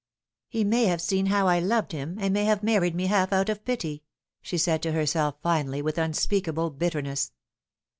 " He may have seen how I loved him, and may have married me half out of pity," she said to herself finally, with unspeakable bitterness.